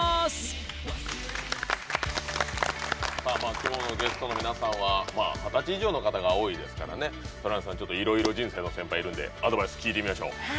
きょうのゲストの皆さんは二十歳以上の方が多いですから空音さん、いろいろ人生の先輩いるんでアドバイスを聞いてみましょう。